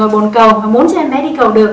bồn cầu và muốn cho em bé đi cầu được